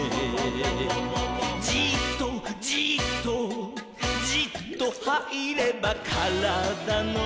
「じっとじっとじっとはいればからだの」